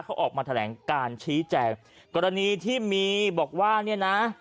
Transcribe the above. เขาออกมาแถลงการชี้แจงกรณีที่มีบอกว่าเนี่ยนะ